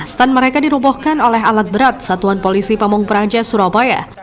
stand mereka dirubuhkan oleh alat berat satuan polisi pemongkeraja surabaya